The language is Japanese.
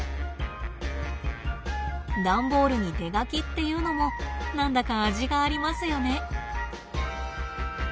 段ボールに手書きっていうのも何だか味がありますよね。